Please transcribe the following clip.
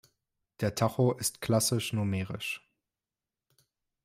Der Tacho ist klassisch numerisch.